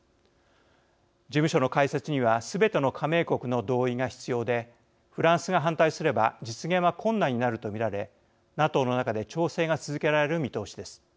事務所の開設にはすべての加盟国の同意が必要でフランスが反対すれば実現は困難になると見られＮＡＴＯの中で調整が続けられる見通しです。